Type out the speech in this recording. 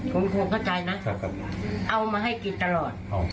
คุณคงเข้าใจนะครับครับเอามาให้กินตลอดเอา